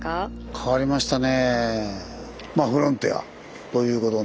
変わりましたね。